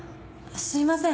すいません。